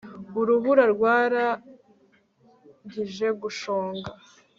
urubura rwarangije gushonga